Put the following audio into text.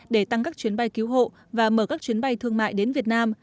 để tăng các chuyến bay cứu hộ và mở các chuyến bay thương mại đến việt nam